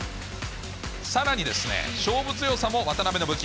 さらにですね、勝負強さも渡邊の武器。